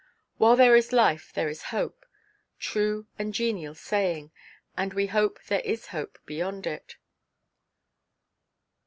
"While there is life, there is hope." True and genial saying! And we hope there is hope beyond it.